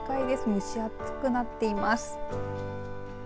蒸し暑くなっています。